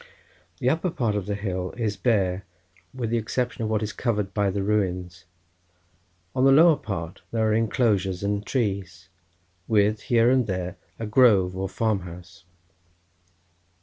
The upper part of the hill is bare with the exception of what is covered by the ruins; on the lower part there are inclosures and trees, with, here and there, a grove or farm house.